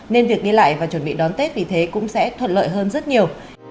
nên việc đi lại và chuẩn bị đón tết vì thế cũng sẽ thuận lợi hơn rất nhiều